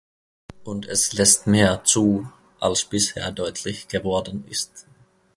Und es lässt mehr zu, als bisher deutlich geworden ist.